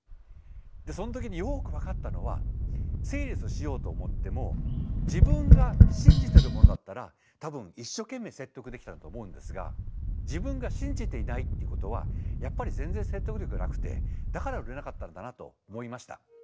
その時によく分かったのはセールスしようと思っても自分が信じてるものだったら多分一生懸命説得できたんだと思うんですが自分が信じていないっていうことはやっぱり全然説得力がなくてだから売れなかったんだなと思いました。